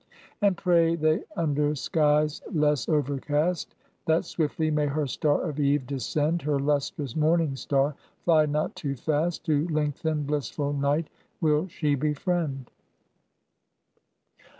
And pray they under skies less overcast, That swiftly may her star of eve descend, Her lustrous morning star fly not too fast, To lengthen blissful night will she befriend.